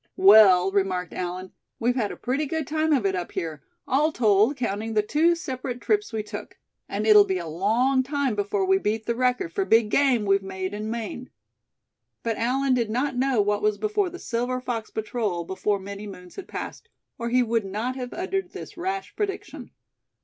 "Well," remarked Allan, "we've had a pretty good time of it up here, all told, counting the two separate trips we took. And it'll be a long time before we beat the record for big game we've made in Maine." But Allan did not know what was before the Silver Fox Patrol before many moons had passed, or he would not have uttered this rash prediction.